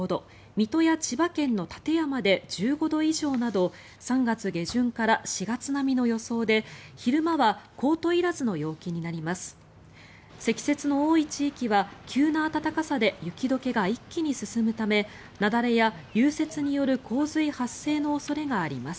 水戸や千葉県の館山で１５度以上など３月下旬から４月並みの予想で昼間はコートいらずの陽気になります。